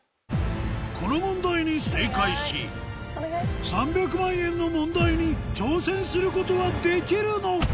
この問題に正解し３００万円の問題に挑戦することはできるのか？